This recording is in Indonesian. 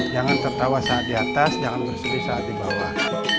jangan tertawa saat di atas jangan bersih saat di bawah